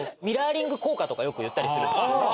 ミラーリング効果とかよく言ったりする。